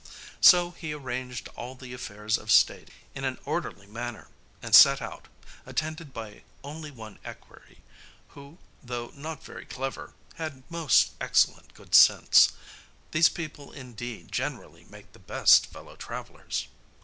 So he arranged all the affairs of state in an orderly manner, and set out, attended by only one equerry, who, though not very clever, had most excellent good sense. These people indeed generally make the best fellow travellers.